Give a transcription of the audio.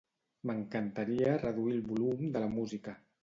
M'encantaria reduir el volum de la música.